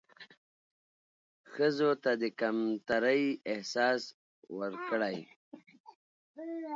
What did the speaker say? ښځو ته د کمترۍ احساس ورکړى